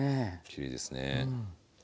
きれいですね。